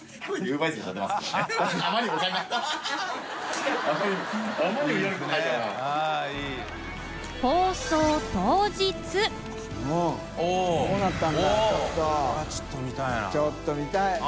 海譴ちょっと見たいな。